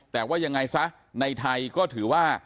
แต่ว่ายังไงซะในไทยก็ถือว่า